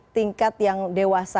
tingkat yang dewasa